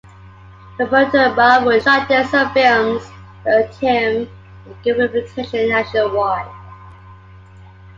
Humberto Mauro shot there some films that earned him a good reputation nationwide.